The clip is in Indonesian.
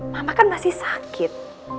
mama kan masih sakit